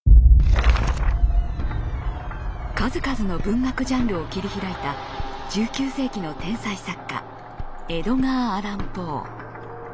数々の文学ジャンルを切り開いた１９世紀の天才作家エドガー・アラン・ポー。